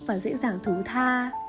và dễ dàng thú tha